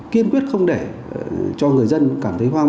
kiên quyết không để cho người dân cảm thấy hoang